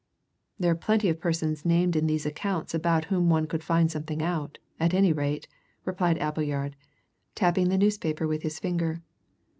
"There are plenty of persons named in these accounts about whom one could find something out, at any rate," replied Appleyard, tapping the newspaper with his finger.